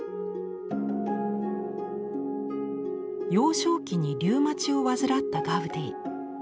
幼少期にリューマチを患ったガウディ。